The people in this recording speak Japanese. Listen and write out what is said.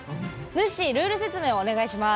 ぬっしールール説明をお願いします。